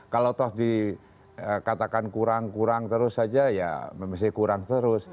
kalau toh dikatakan kurang kurang terus saja ya mesti kurang terus